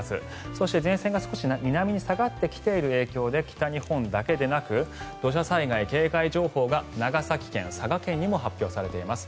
そして前線が少し南に下がってきている影響で北日本だけでなく土砂災害警戒情報が長崎県、佐賀県にも発表されています。